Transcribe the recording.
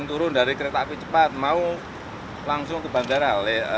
turun dari kereta api cepat mau langsung ke bandara